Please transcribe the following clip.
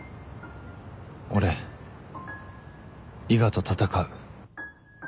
俺伊賀と闘う。